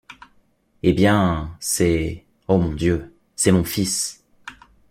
Eh bien! c’est... ô mon Dieu !... c’est mon fils !